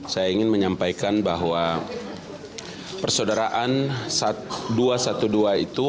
saya ingin menyampaikan bahwa persaudaraan dua ratus dua belas itu